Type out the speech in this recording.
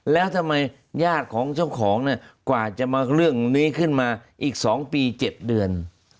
แล้วทำไมญาติของเจ้าของเนี่ยกว่าจะมาเรื่องนี้ขึ้นมาอีก๒ปี๗เดือน